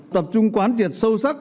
tập trung quan triệt sâu sắc